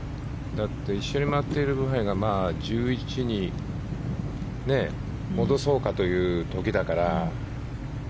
だって一緒に回ってるブハイが１１に戻そうかという時だから。